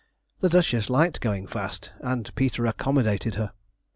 The duchess liked going fast, and Peter accommodated her.